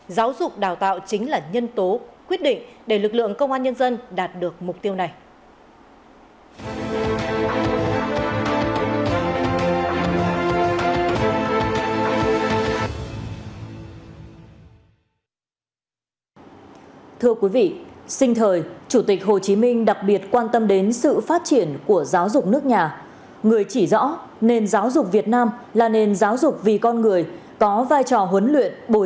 giáo dục đào tạo chính là nhân tố quyết định để lực lượng công an nhân dân đạt được mục tiêu này